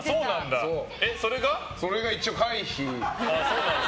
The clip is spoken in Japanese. それが一応回避。